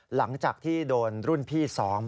หลังจากที่โดนรุ่นพี่สอง